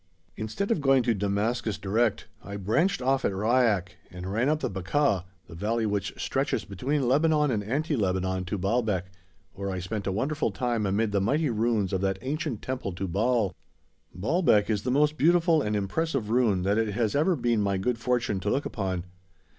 Instead of going to Damascus direct, I branched off at Ryak and ran up the Bakaa, the valley which stretches between Lebanon and Anti Lebanon to Baalbek, where I spent a wonderful time amid the mighty ruins of that ancient temple to Baal. Baalbek is the most beautiful and impressive ruin that it has ever been my good fortune to look upon.